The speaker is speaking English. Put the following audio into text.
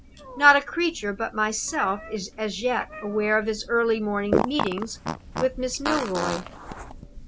Not a creature but myself is as yet aware of his early morning meetings with Miss Milroy.